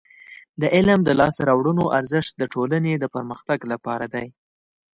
د علم د لاسته راوړنو ارزښت د ټولنې د پرمختګ لپاره دی.